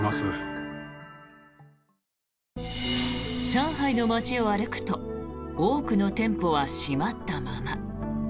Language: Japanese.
上海の街を歩くと多くの店舗は閉まったまま。